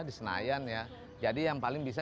di senayan ya jadi yang paling bisa